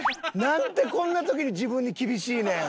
なんでこんな時に自分に厳しいねん。